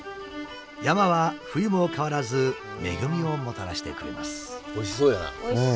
山は冬も変わらず恵みをもたらしてくれます。